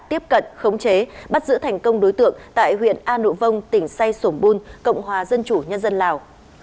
tiếp cận khống chế bắt giữ thành công đối tượng tại huyện an nụ vông tỉnh say sổn buôn cộng hòa dân chủ nhân dân lào